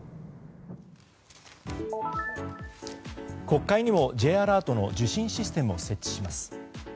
国会にもＪアラートの受信システムを設置します。